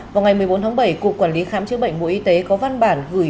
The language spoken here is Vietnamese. vào ngày một mươi bốn tháng bảy cục quản lý khám chữa bệnh bộ y tế có văn bản gửi